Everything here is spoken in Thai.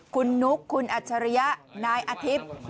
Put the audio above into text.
คุณนุกคุณอัชริยะนายอาทิบ